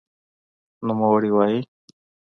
نوموړی وايي